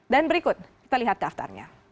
dan berikut kita lihat daftarnya